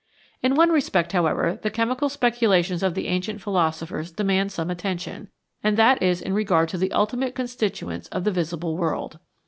In one respect, however, the chemical speculations of the ancient philosophers demand some attention, and that /is in regard to the ultimate constituents of the visible world.